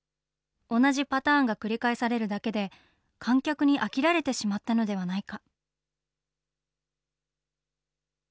同じパターンが繰り返されるだけで、観客に飽きられてしまったのではないか。